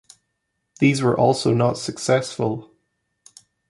These were also not successful.